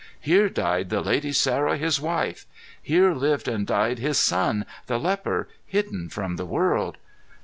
Here died the lady Sarah, his wife. Here lived and died his son, the leper, hidden from the world.